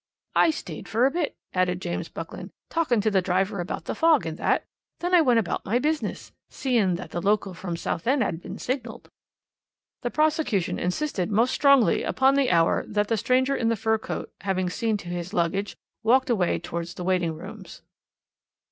"'I stayed for a bit,' added James Buckland, 'talking to the driver about the fog and that; then I went about my business, seein' that the local from Southend 'ad been signalled.' "The prosecution insisted most strongly upon the hour when the stranger in the fur coat, having seen to his luggage, walked away towards the waiting rooms.